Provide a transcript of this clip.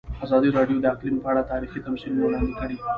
ازادي راډیو د اقلیم په اړه تاریخي تمثیلونه وړاندې کړي.